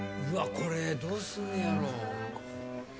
これどうすんねやろ？